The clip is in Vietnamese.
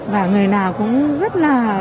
và người nào cũng rất là